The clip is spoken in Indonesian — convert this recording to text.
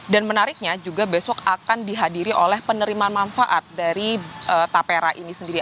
dan menariknya juga besok akan dihadiri oleh penerimaan manfaat dari taperah ini sendiri